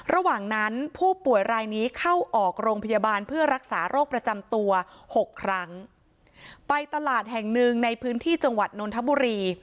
ระหว่างนั้นผู้ป่วยรายนี้เข้าออกโรงพยาบาลเพื่อรักษาโรคประจำตัวหกครั้งไปตลาดแห่งหนึ่งในพื้นที่จังหวัดนนทบุรี